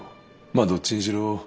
まあどっちにしろ